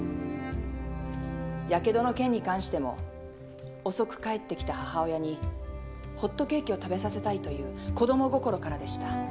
やけどの件に関しても遅く帰ってきた母親にホットケーキを食べさせたいという子供心からでした。